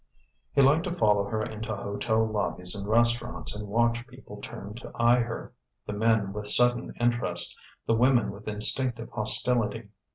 He liked to follow her into hotel lobbies and restaurants and watch people turn to eye her, the men with sudden interest, the women with instinctive hostility.